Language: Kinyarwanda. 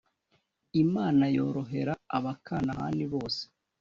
Imana yorohera Abakanahani bose